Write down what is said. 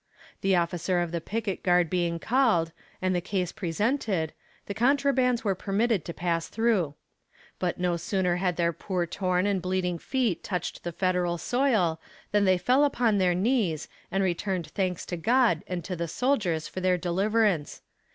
The officer of the picket guard being called, and the case presented, the contrabands were permitted to pass through. But no sooner had their poor torn and bleeding feet touched the federal soil, than they fell upon their knees, and returned thanks to God and to the soldiers for their deliverance.